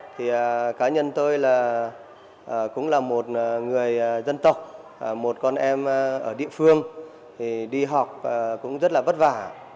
thì cá nhân tôi là cũng là một người dân tộc một con em ở địa phương thì đi học cũng rất là vất vả